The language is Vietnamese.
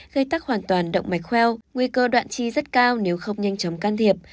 gây tắc hoàn toàn động mạch kheo nguy cơ đoạn chi rất cao nếu không nhanh chóng can thiệp